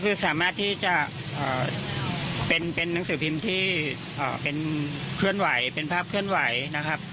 ก็คือสามารถที่จะเป็นนังสือพิมพ์ที่เป็นภาพเคลื่อนไหวนะครับ